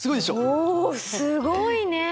おおすごいね！